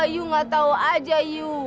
iu gak tau aja iu